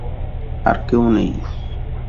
আর কেউ নেই।